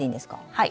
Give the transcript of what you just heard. はい。